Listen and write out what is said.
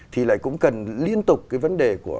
thì lại cũng cần liên tục cái vấn đề của